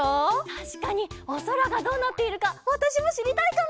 たしかにおそらがどうなっているかわたしもしりたいかも！